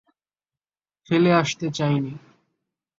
ফেলে আসতে চাইনি।